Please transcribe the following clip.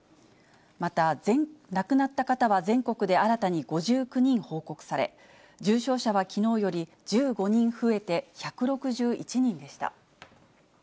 また、亡くなった方は全国で新たに５９人報告され、重症者はきのうより１５人増えて１６１人でした。